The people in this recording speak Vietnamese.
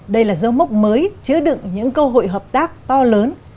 đây là dấu mốc mới chứa đựng những cơ hội hợp tác to lớn